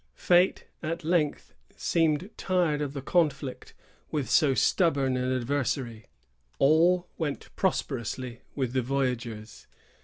Fate at length seemed tired of the conflict with so stubborn an adversary. All went prosperously with the voyagers.